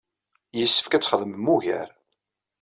Yessefk ad txedmem ugar.